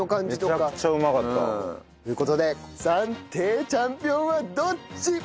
めちゃくちゃうまかった。という事で暫定チャンピオンはどっち？